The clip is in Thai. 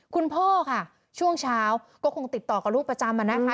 คุณพ่อค่ะช่วงเช้าก็คงติดต่อกับลูกประจำอะนะคะ